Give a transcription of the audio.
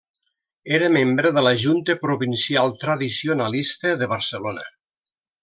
Era membre de la Junta Provincial Tradicionalista de Barcelona.